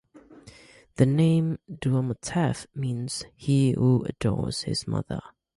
The name Duamutef means "He who adores his mother".